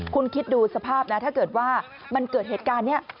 คุณคิดดูสภาพนะถ้าเกิดว่ามันเกิดเหตุการณ์นี้